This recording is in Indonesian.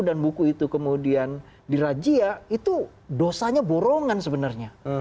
dan buku itu kemudian dirajia itu dosanya borongan sebenarnya